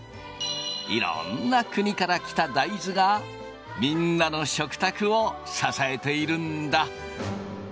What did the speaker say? いろんな国から来た大豆がみんなの食卓を支えているんだ。